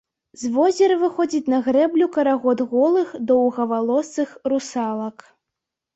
З возера выходзіць на грэблю карагод голых доўгавалосых русалак.